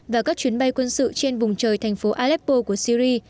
và các chuyến bay quân sự trên vùng trời thành phố aleppo của syri